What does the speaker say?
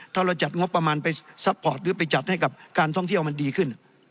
ถ้าเราจัดงบประมาณไปซัพพอร์ตหรือไปจัดให้กับการท่องเที่ยวมันดีขึ้น